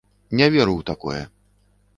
Не веру ў такое.